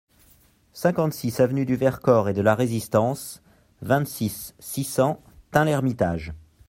cinquante-six avenue du Vercors et de la Résistance, vingt-six, six cents, Tain-l'Hermitage